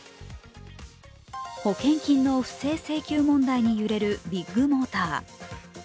保険金の不正請求問題に揺れるビッグモーター。